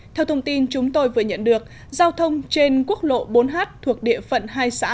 theo thông tin chúng tôi vừa nhận được giao thông trên quốc lộ bốn h thuộc địa phận hai xã